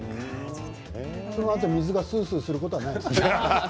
そのあと水がスースーすることはないですね。